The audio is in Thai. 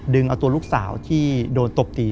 เอาตัวลูกสาวที่โดนตบตี